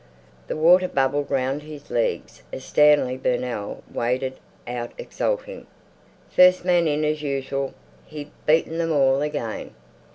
The water bubbled round his legs as Stanley Burnell waded out exulting. First man in as usual! He'd beaten them all again.